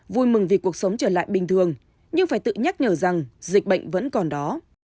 vui mừng vì cuộc sống trở lại bình thường nhưng phải tự nhắc nhở rằng dịch bệnh vẫn còn đó